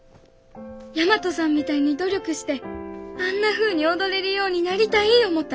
大和さんみたいに努力してあんなふうに踊れるようになりたい思うた